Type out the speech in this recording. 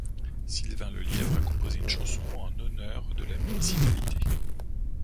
Sylvain Lelièvre a composé une chanson en honneur de la municipalité.